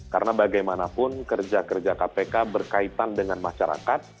karena bagaimanapun kerja kerja kpk berkaitan dengan masyarakat